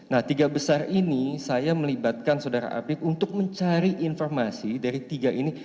nah tiga besar ini saya melibatkan saudara apik untuk mencari informasi dari tiga ini